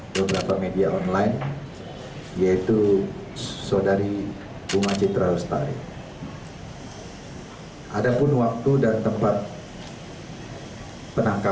saya rasa ini sudah dinaikkan juga beritanya